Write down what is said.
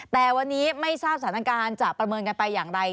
แต่วันนี้ไม่ทราบสถานการณ์จะประเมินกันไปอย่างไร